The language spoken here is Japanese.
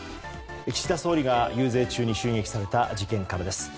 岸田総理が遊説中に襲撃された事件からです。